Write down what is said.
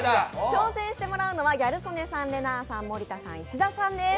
挑戦してもらうのはギャル曽根さん、れなぁさん、森田さん、石田さんです。